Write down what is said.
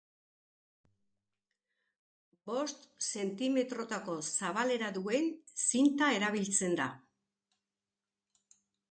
Bost zentimetrotako zabalera duen zinta erabiltzen da.